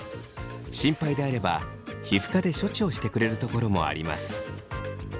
心配であれば皮膚科で処置をしてくれるところもあります。